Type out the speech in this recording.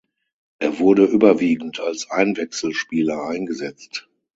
Er wurde überwiegend als Einwechselspieler eingesetzt.